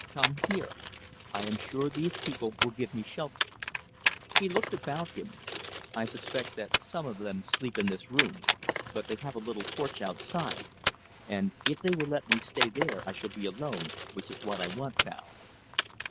"Come here. I am sure these people will give me shelter." He looked about him. "I suspect that some of them sleep in this room; but they have a little porch outside, and if they will let me stay there I shall be alone, which is what I want now."